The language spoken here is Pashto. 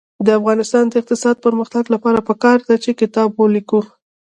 د افغانستان د اقتصادي پرمختګ لپاره پکار ده چې کتاب ولیکو.